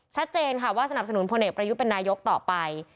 ชัดเจนค่ะว่าสนับสนุนพลเอกประยุทธ์เป็นนายกต่อไป